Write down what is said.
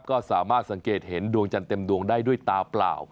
ก็สามารถสังเกตเห็นดวงจันทร์เต็มดวงได้ด้วยตาเปล่า